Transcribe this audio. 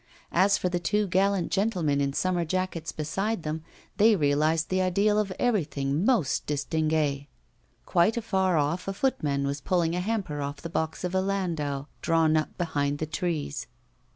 As for the two gallant gentlemen in summer jackets beside them, they realised the ideal of everything most distingué; while afar off a footman was pulling a hamper off the box of a landau drawn up behind the trees.